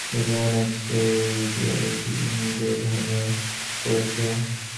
দেখে মনে হচ্ছে, এই রিয়্যালিটি নিজেই ভেঙ্গে পড়েছে।